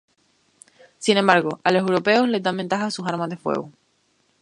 Sin embargo, a los europeos les dan ventaja sus armas de fuego.